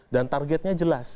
dan targetnya jelas